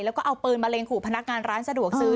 แล้วก็เอาปืนมะเร็งขู่พนักงานร้านสะดวกซื้อ